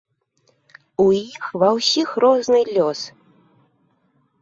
У іх ва ўсіх розны лёс.